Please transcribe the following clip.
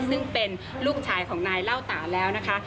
ซึ่งเป็นลูกชายของนายเล่าตาแล้วนะคะ